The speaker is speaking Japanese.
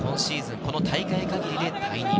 この大会限りで退任。